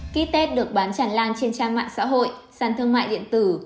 kit test được bán chẳng lang trên trang mạng xã hội sàn thương mại điện tử